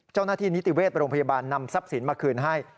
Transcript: เจ้าหน้าที่นิติเวศไปโรงพยาบาลนำทรัพย์สินมาคืนให้